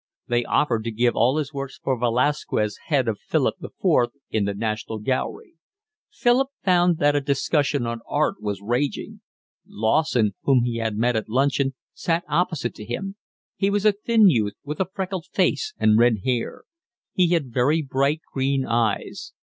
They offered to give all his works for Velasquez' head of Philip IV in the National Gallery. Philip found that a discussion on art was raging. Lawson, whom he had met at luncheon, sat opposite to him. He was a thin youth with a freckled face and red hair. He had very bright green eyes.